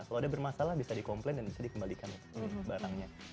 kalau ada bermasalah bisa dikomplain dan bisa dikembalikan barangnya